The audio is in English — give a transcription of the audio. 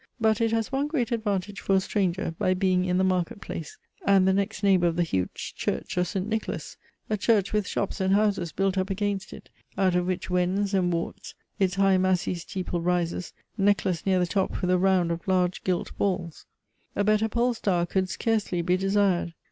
But it has one great advantage for a stranger, by being in the market place, and the next neighbour of the huge church of St. Nicholas: a church with shops and houses built up against it, out of which wens and warts its high massy steeple rises, necklaced near the top with a round of large gilt balls. A better pole star could scarcely be desired.